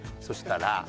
そしたら。